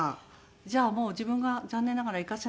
じゃあもう自分が残念ながら生かせなくなった。